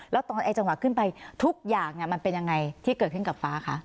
แล้วตอนไอ้จังหวะขึ้นไปทุกอย่างมันเป็นยังไงที่เกิดขึ้นกับฟ้าคะ